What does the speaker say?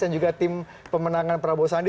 dan juga tim pemenangan prabowo sandi